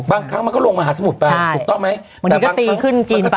บางครั้งมันก็ลงมหาสมุทรไปถูกต้องไหมบางทีก็ตีขึ้นจีนไป